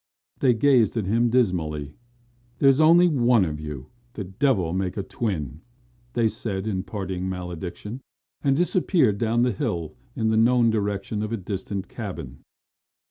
They gazed at him dismally. "There's only one of you the devil make a twin," they said in parting malediction, and disappeared down the hill in the known direction of a distant cabin.